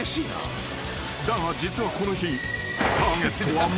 ［だが実はこの日］